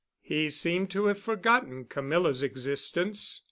He seemed to have forgotten Camilla's existence.